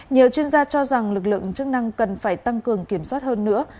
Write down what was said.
nhiều chuyên gia cho rằng lực lượng chức năng cần phải tăng cường kiểm soát hơn nữa